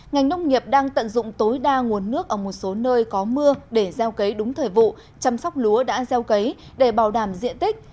ngành nông nghiệp đang tận dụng tối đa nguồn nước ở một số nơi có mưa để gieo cấy đúng thời vụ chăm sóc lúa đã gieo cấy để bảo đảm diện tích